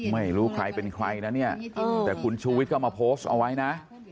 ไม่รู้ใครเป็นใครนะเนี้ยเออแต่คุณชุวิตก็มาโพสเอาไว้น่ะ